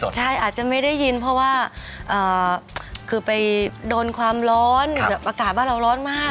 ใช่อาจจะไม่ได้ยินเพราะว่าคือไปโดนความร้อนอากาศบ้านเราร้อนมาก